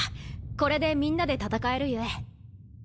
これでみんなで戦えるゆえ。